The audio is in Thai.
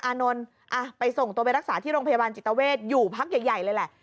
อานนท์ไปส่งตัวไปรักษาที่โรงพยาบาลจิตเวทอยู่พักใหญ่เลยแหละ